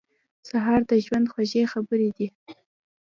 سهار د ژوند خوږې خبرې دي.